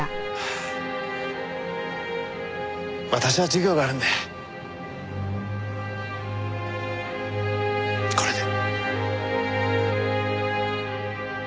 私は授業があるのでこれで。